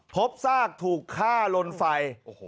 พบซากถูกฆ่าลนไฟ